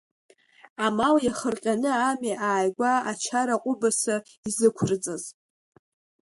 Амал иахырҟьаны ами ааигәа Аҷара ҟәыбаса изықәырҵаз.